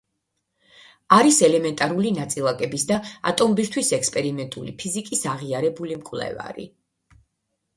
არის ელემენტარული ნაწილაკების და ატომბირთვის ექსპერიმენტული ფიზიკის აღიარებული მკვლევარი.